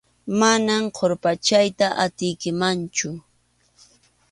Manam qurpachayta atiykimanchu.